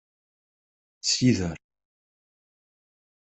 Sider.